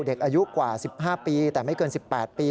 เด็กอายุกว่า๑๕ปีแต่ไม่เกิน๑๘ปี